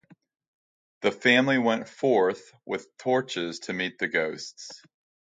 The family went forth with torches to meet the ghosts.